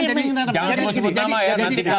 nanti kalau sebut nama